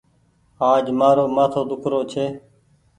آج مآرو مآٿو ۮيک رو ڇي۔